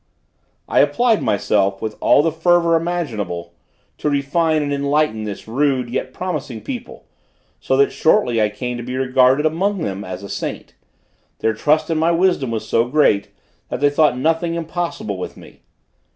I applied myself, with all the fervor imaginable, to refine and enlighten this rude, yet promising people, so that shortly I came to be regarded among them as a saint; their trust in my wisdom was so great, that they thought nothing impossible with me.